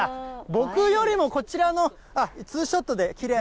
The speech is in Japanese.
僕よりもこちらの、ツーショットで、きれい。